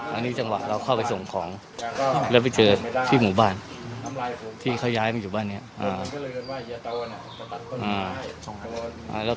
อันนี้จังหวะเราเข้าไปส่งของแล้วไปเจอที่หมู่บ้านที่เขาย้ายมาอยู่บ้านนี้